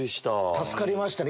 助かりましたね